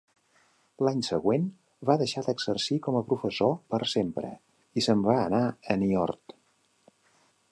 L'any següent, va deixar d'exercir com a professor per sempre i se'n va anar a Niort.